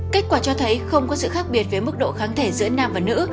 kết quả cho thấy không có sự khác biệt với mức độ kháng thể giữa nam và nữ